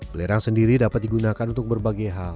belerang sendiri dapat digunakan untuk berbagai hal